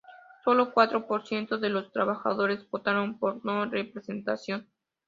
Solo cuatro por ciento de los trabajadores votaron por no representación.